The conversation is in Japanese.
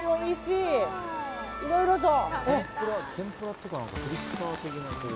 いろいろと。